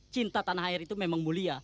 cinta tanah air itu memang mulia